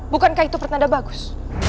bukankah itu pertanda bagus